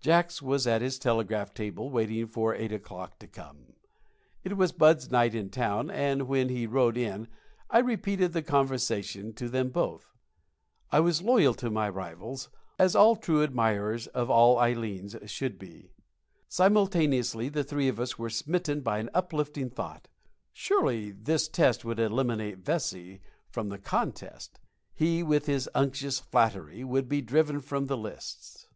Jacks was at his telegraph table waiting for eight o'clock to come. It was Bud's night in town, and when he rode in I repeated the conversation to them both. I was loyal to my rivals, as all true admirers of all Ileens should be. Simultaneously the three of us were smitten by an uplifting thought. Surely this test would eliminate Vesey from the contest. He, with his unctuous flattery, would be driven from the lists.